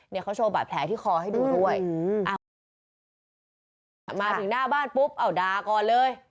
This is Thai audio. เขาโชว์บาดแผลที่คอให้ดูด้วยพอมาถึงบ้านมาถึงหน้าบ้านปุ๊บเอาดาก่อนเลย